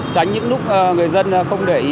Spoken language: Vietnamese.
tránh những lúc người dân không để ý